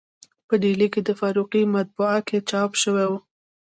په ډهلي په فاروقي مطبعه کې چاپ شوی و.